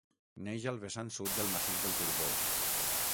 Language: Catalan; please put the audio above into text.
Neix al vessant sud del massís del Turbó.